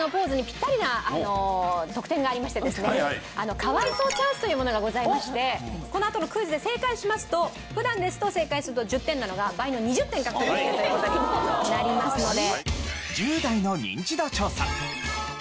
可哀想チャンスというものがございましてこのあとのクイズで正解しますと普段ですと正解すると１０点なのが倍の２０点獲得という事になりますので。